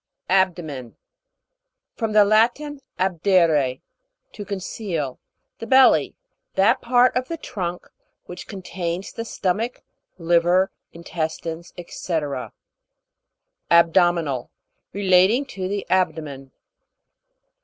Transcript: ABDO'MEN. From the Latin, abdere, to conceal. The belly ; that part of the trunk which contains the stomach, liver, intestines, &c, ABDO'MINAL. Relating to the abdo men.